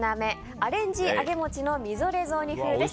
アレンジ揚げもちのみぞれ雑煮風です。